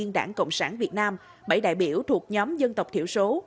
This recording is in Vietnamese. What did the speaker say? bảy đại biểu thuộc nhóm dân tộc thiểu số